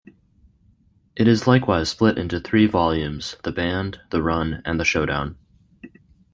It is likewise split into three "volumes", The Band, The Run, and The Showdown.